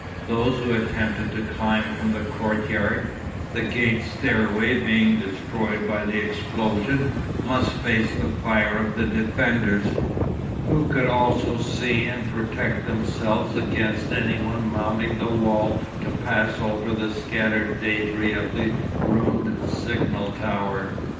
Those who attempted to climb from the courtyard (the gate stairway being destroyed by the explosion) must face the fire of the defenders, who could also see and protect themselves against any one mounting the wall to pass over the scattered débris of the ruined signal tower.